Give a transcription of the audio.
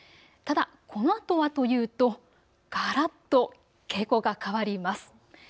ただ、このあとはというとがらっと傾向が変わります。